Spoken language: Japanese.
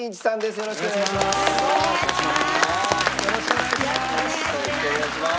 よろしくお願いします。